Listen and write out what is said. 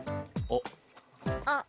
あっ。